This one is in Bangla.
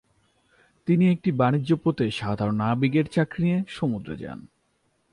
তিনি একটি বাণিজ্যপোতে সাধারণ নাবিকের চাকরি নিয়ে সমুদ্রে যান।